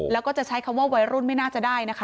แล้วก็จะใช้คำว่าวัยรุ่นไม่น่าจะได้นะคะ